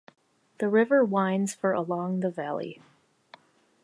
The river winds for along the valley.